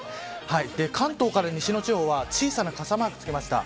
関東から西の地方は小さな傘マークが付きました。